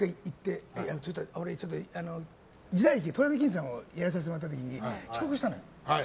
俺、時代劇の「遠山の金さん」をやらさせてもらった時遅刻したの。